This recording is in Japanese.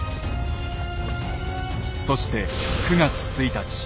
そして９月１日。